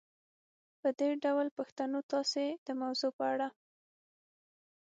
په دې ډول پوښتنو تاسې د موضوع په اړه